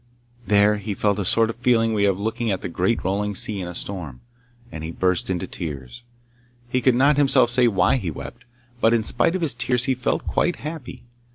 There he felt the sort of feeling we have looking at the great rolling sea in a storm, and he burst into tears. He could not himself say why he wept, but in spite of his tears he felt quite happy.